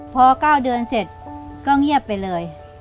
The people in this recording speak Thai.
พอ๙เดือนเสร็จก็เงียบไปเลย